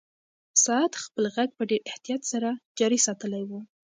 ساعت خپل غږ په ډېر احتیاط سره جاري ساتلی و.